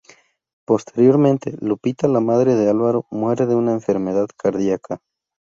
Posteriormente, Lupita, la madre de Álvaro, muere de una enfermedad cardíaca.